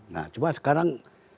nah cuma sekarang